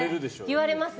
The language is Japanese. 言われますね。